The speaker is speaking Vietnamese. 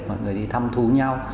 mọi người đi thăm thú nhau